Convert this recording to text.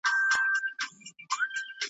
هره ورځ چي وو طبیب له کوره تللی .